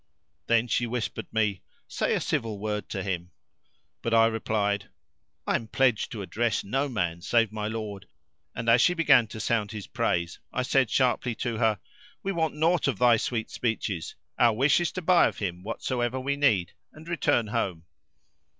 Then she whispered me, "Say a civil word to him!"; but I replied, "I am pledged to address no man save my lord. And as she began to sound his praise I said sharply to her, We want nought of thy sweet speeches; our wish is to buy of him whatsoever we need, and return home."